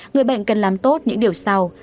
người bệnh cần làm tốt những điều sau